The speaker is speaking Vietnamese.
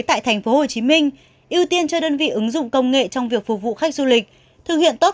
tại tp hcm ưu tiên cho đơn vị ứng dụng công nghệ trong việc phục vụ khách du lịch thực hiện tốt